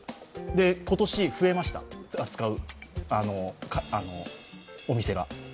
で、今年増えました、扱うお店が。